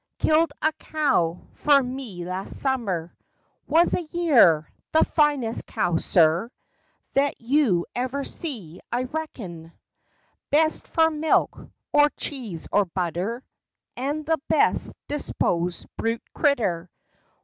Killed a cow fer me last summer Was a year! The finest cow, sir, That you ever see, I reckon; Best fer milk, or cheese, or butter; And the best disposed brute critter.